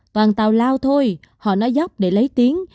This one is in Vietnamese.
toàn tàu lao thôi họ nói dốc để lấy tiếng